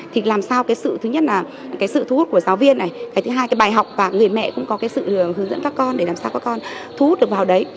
thì làm sao cái sự thứ nhất là cái sự thu hút của giáo viên này cái thứ hai cái bài học và người mẹ cũng có cái sự hướng dẫn các con để làm sao các con thu hút được vào đấy